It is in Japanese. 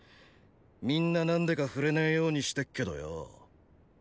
みんな何でか触れねェようにしてっけどよォ。